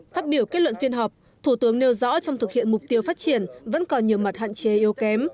phát biểu kết luận phiên họp thủ tướng nêu rõ trong thực hiện mục tiêu phát triển vẫn còn nhiều mặt hạn chế yếu kém